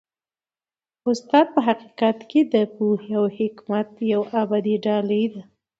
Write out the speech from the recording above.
استاد په حقیقت کي د پوهې او حکمت یوه ابدي ډالۍ ده.